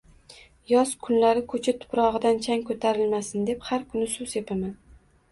Yoz kunlari, ko`cha tuprog`idan chang ko`tarilmasin, deb har kuni suv sepaman